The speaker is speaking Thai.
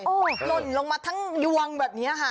หล่นลงมาทั้งยวงแบบนี้ค่ะ